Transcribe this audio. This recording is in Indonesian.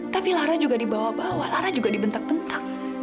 tapi lara juga dibawa bawa lara juga dibentak bentak